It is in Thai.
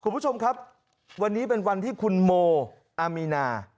คุณผู้ชมครับวันนี้เป็นวันที่คุณโมอามีนา